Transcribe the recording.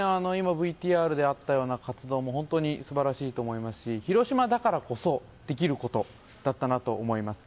今、ＶＴＲであったような活動も本当にすばらしいと思いますし、広島だからこそできることだったなと思います。